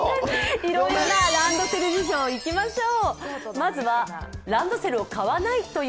いろんなランドセル事情、いきましょう。